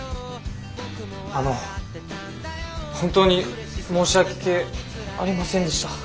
あの本当に申し訳ありませんでした。